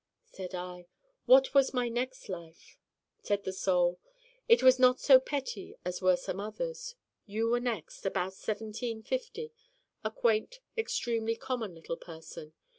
Said I: 'What was my next life?' Said the Soul: 'It was not so petty as were some others. You were next about seventeen fifty a quaint extremely common little person.